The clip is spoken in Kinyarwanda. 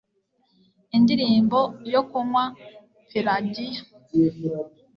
Indirimbo yo Kunywa Pelagiya